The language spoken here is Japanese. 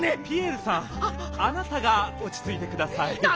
ピエールさんあなたがおちついてください。